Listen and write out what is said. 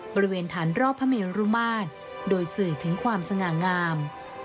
บริเวณฐานรอบพระเมรุมาตรโดยสื่อถึงความสง่างาม